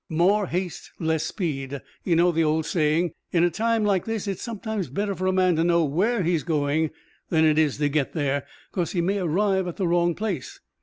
"More haste less speed. You know the old saying. In a time like this it's sometimes better for a man to know where he's going than it is to get there, 'cause he may arrive at the wrong place."